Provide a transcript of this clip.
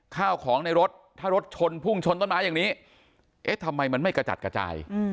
ข้าวของในรถถ้ารถชนพุ่งชนต้นไม้อย่างนี้เอ๊ะทำไมมันไม่กระจัดกระจาย